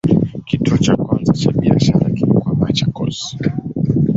Kituo cha kwanza cha biashara kilikuwa Machakos.